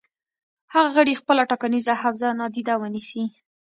هغه غړي خپله ټاکنیزه حوزه نادیده ونیسي.